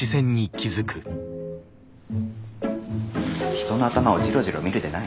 人の頭をじろじろ見るでない。